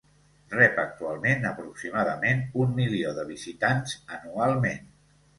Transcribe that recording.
Rep actualment aproximadament un milió de visitants anualment.